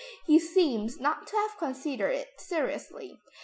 He seems not to have considered it seriously.